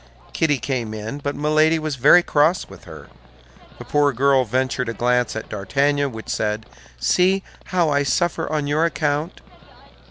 Kitty came in, but Milady was very cross with her. The poor girl ventured a glance at D'Artagnan which said, "See how I suffer on your account!"